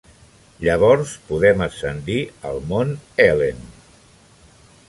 Llavors podem ascendir el Mt. Helen.